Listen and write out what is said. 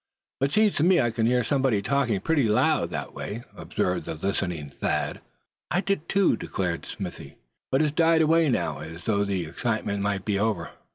"But seems to me I can hear somebody talking pretty loud that way," observed the listening Thad. "I did too," declared Smithy; "but it's died away now, as though the excitement might be over.